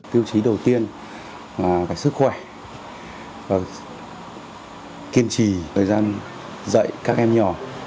tiêu chí đầu tiên là sức khỏe và kiên trì thời gian dạy các em nhỏ